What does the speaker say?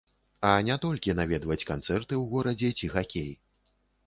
А не толькі наведваць канцэрты ў горадзе ці хакей.